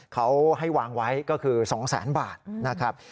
เขาให้วางไว้ก็คือ๒แสนบาทนะครับ